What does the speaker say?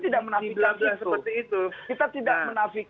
kita tidak menafikan